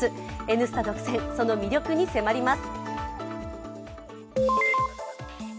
「Ｎスタ」独占、その魅力に迫ります。